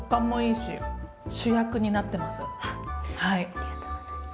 ありがとうございます！